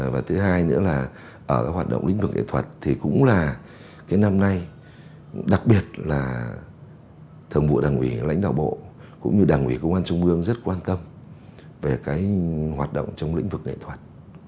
và thứ hai nữa là ở các hoạt động lĩnh vực nghệ thuật thì cũng là cái năm nay đặc biệt là thường vụ đảng ủy lãnh đạo bộ cũng như đảng ủy công an trung ương rất quan tâm về cái hoạt động trong lĩnh vực nghệ thuật